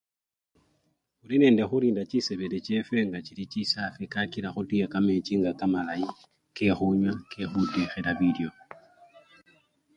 hulinende hulinda chisebele chefe nga chili chisafii kakila hutuye kamechi nga kamalayi kehunywa, kehutehela bilyo